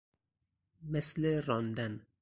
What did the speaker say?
مثل راندن